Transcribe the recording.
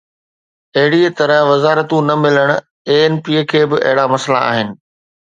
اهڙي طرح وزارتون نه ملن، اي اين پي کي به اهڙا مسئلا آهن.